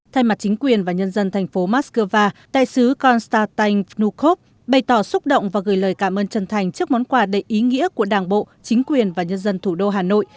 thay mặt chính quyền và nhân dân thành phố moscow đại sứ constantin vnukov bày tỏ xúc động và gửi lời cảm ơn chân thành trước món quà đầy ý nghĩa của đảng bộ chính quyền và nhân dân thủ đô hà nội